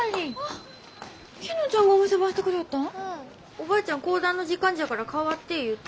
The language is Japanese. おばあちゃん講談の時間じゃから代わって言うて。